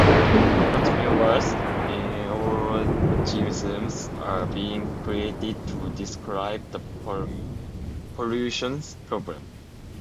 what new words neologisms are being created to describe the pollution problem?